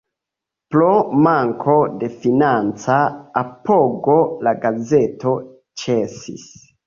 Pro manko de financa apogo la gazeto ĉesis.